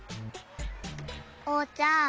おうちゃん